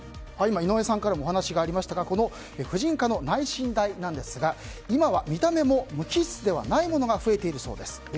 井上さんからもお話がありましたが婦人科の内診台なんですが今は見た目も無機質ではないものが増えているそうです。